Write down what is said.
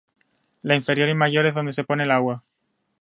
La inferior y mayor es donde se pone el agua.